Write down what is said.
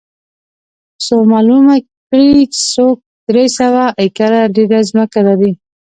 څو معلومه کړي څوک درې سوه ایکره ډېره ځمکه لري